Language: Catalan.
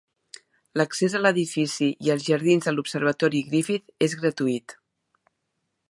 L'accés a l'edifici i als jardins de l'Observatori Griffith és gratuït.